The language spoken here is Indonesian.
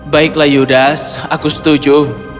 baiklah yudas aku setuju